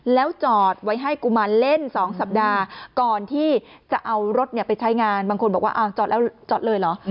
แล้วจอดไว้ให้กุมารเล่น๒สัปดาห์ก่อนที่จะเอารถไปใช้งานบางคนบอกว่าอ้าวจอดแล้วจอดเลยเหรอ